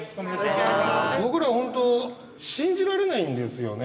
僕ら本当信じられないんですよね。